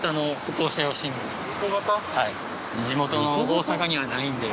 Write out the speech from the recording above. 地元の大阪にはないんで。